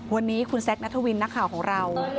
วันนี้คุณแซคนัทวินนักข่าวของเรา